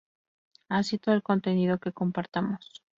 así todo el contenido que compartamos